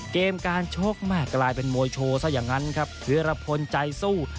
เกมการชกแม่กลายเป็นมวยโชว์ซะอย่างนั้นครับธิรพลใจสู้